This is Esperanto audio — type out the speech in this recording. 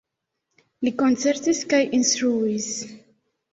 Li koncertis kaj instruis.